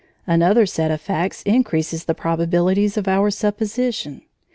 Another set of facts increases the probabilities of our supposition.